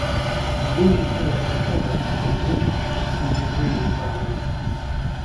The injured bird recovered and was introduced into a breeding programme.